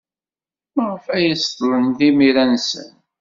Maɣef ay seḍḍlen timira-nsen?